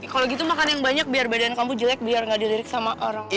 kalo gitu makan yang banyak biar badan kamu jelek